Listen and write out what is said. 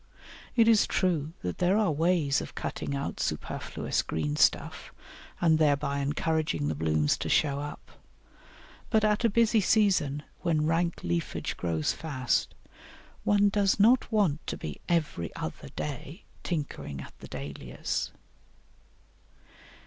It is true that there are ways of cutting out superfluous green stuff and thereby encouraging the blooms to show up, but at a busy season, when rank leafage grows fast, one does not want to be every other day tinkering at the Dahlias.